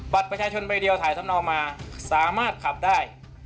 บัตรประชาชนใบเดียวถ่ายทำนองมาสามารถขับได้